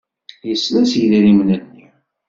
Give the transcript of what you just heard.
Yesla s yidrimen-nni.